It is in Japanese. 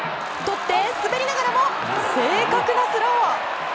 とって、滑りながらも正確なスロー。